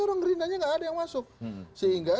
orang gerindanya nggak ada yang masuk sehingga